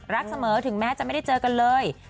รักเสมอถึงแม้จะไม่ได้เจอกันเลย